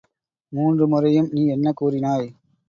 மூன்று முறையும் நீ என்ன கூறினாய்?